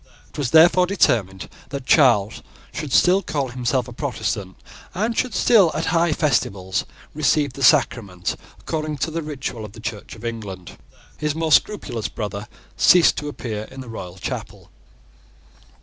It was therefore determined that Charles should still call himself a Protestant, and should still, at high festivals, receive the sacrament according to the ritual of the Church of England. His more scrupulous brother ceased to appear in the royal chapel.